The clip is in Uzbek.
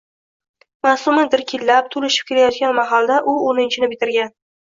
Maʼsuma dirkillab, toʼlishib kelayotgan mahalda u oʼninchini bitirgan